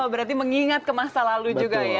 berarti mengingat ke masa lalu juga ya